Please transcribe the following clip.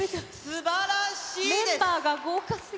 すばらしいです。